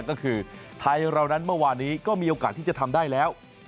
ก็คือไทยเรานั้นเมื่อวานนี้ก็มีโอกาสที่จะทำได้แล้ว